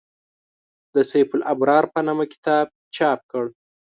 د «سیف الابرار» په نامه کتاب چاپ کړ.